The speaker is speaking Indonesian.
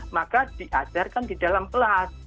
maka diajarkan di dalam kelas